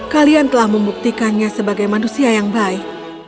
kalian telah membuktikannya sebagai manusia yang baik